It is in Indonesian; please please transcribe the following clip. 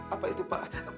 apa itu pak